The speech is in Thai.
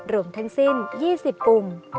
รวมทั้งสิ้น๒๐กลุ่ม